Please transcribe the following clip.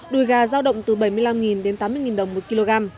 đùi gà giao động từ bảy mươi năm đến tám mươi đồng một kg